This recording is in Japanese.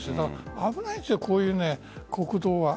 危ないんですよ、こういう国道。